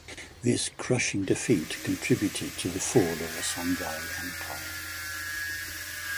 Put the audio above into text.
This crushing defeat contributed to the fall of the Songhai Empire.